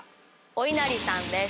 おいなりさんです。